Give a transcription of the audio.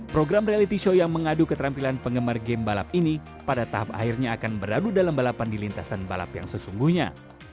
program reality show yang mengadu keterampilan penggemar game balap ini pada tahap akhirnya akan beradu dalam balapan di lintasan balap yang sesungguhnya